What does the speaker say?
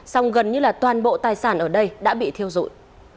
xong gần như là toàn bộ tài sản ở đây đã bị thiêu dụi